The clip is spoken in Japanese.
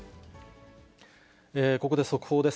ここで速報です。